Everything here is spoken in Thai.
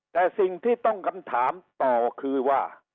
แต่สิ่งที่ต้องคำถามต่อคือว่า